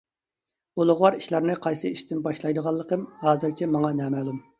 ئۇلۇغۋار ئىشلارنى قايسى ئىشتىن باشلايدىغانلىقىم ھازىرچە ماڭا نامەلۇم.